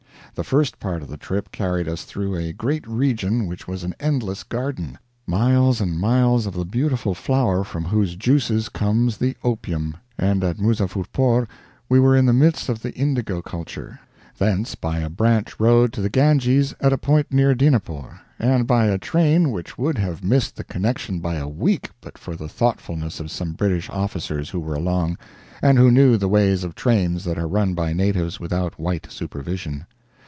The first part of the trip carried us through a great region which was an endless garden miles and miles of the beautiful flower from whose juices comes the opium, and at Muzaffurpore we were in the midst of the indigo culture; thence by a branch road to the Ganges at a point near Dinapore, and by a train which would have missed the connection by a week but for the thoughtfulness of some British officers who were along, and who knew the ways of trains that are run by natives without white supervision.